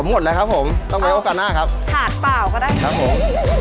หมดเลยครับผมต้องใช้โอกาสหน้าครับถาดเปล่าก็ได้ครับผม